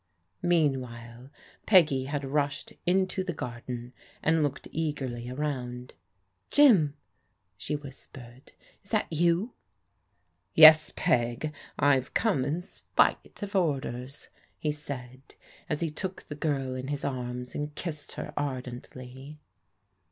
Meanwhile Peggy had rushed into the garden, and looked eagerly around. " Jim," she whispered, " is that you ?''" Yes, Peg. I've come in spite of orders," he said, as he took the girl in his arms and kissed her ardently.